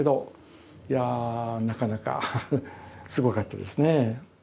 いやあなかなかすごかったですね。